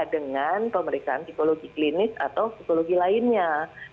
dengan pemeriksaan psikologi klinis atau psikologi lainnya